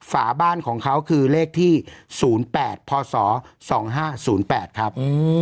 ฝาบ้านของเขาคือเลขที่๐๘พศ๒๕๐๘ครับ